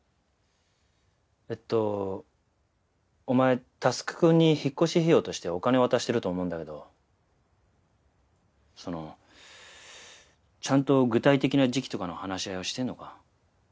えっとお前佑くんに引っ越し費用としてお金渡してると思うんだけどそのちゃんと具体的な時期とかの話し合いはしてるのか？